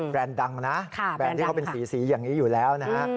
ดังนะแบรนด์ที่เขาเป็นสีอย่างนี้อยู่แล้วนะฮะ